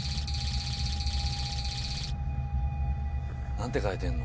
何て書いてんの？